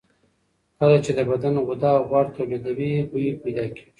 کله چې د بدن غده غوړ تولیدوي، بوی پیدا کېږي.